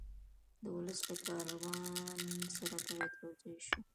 د ولس له کاروان سره باید یو ځای شو.